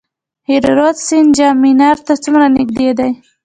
هریرود سیند جام منار ته څومره نږدې دی؟